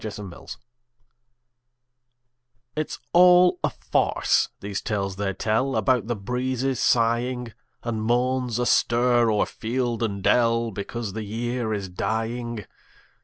MERRY AUTUMN It's all a farce, these tales they tell About the breezes sighing, And moans astir o'er field and dell, Because the year is dying.